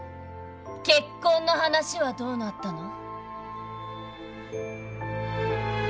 結婚の話はどうなったの？